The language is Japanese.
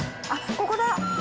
あっ、ここだ！